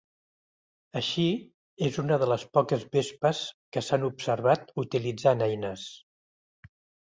Així és una de les poques vespes que s'han observat utilitzant eines.